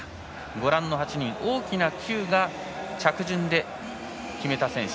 ご覧の８人、大きなＱが着順で決めた選手。